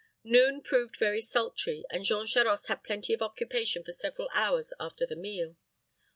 Noon proved very sultry, and Jean Charost had plenty of occupation for several hours after the meal.